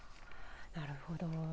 なるほど。